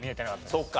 そっか。